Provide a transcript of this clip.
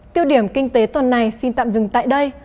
tiêu điểm kinh tế tuần này xin tạm dừng tại đây